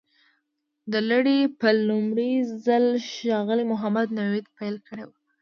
دا لړۍ په لومړي ځل ښاغلي محمد نوید پیل کړې وه.